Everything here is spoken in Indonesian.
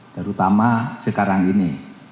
terutama sekarang ini